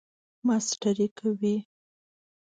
ماسټری کوئ؟